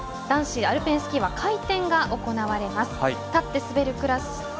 男子アルペンスキーは回転が行われます。